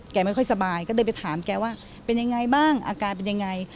ไม่ค่อยสบายก็เลยไปถามแกว่าเป็นยังไงบ้างอาการเป็นยังไง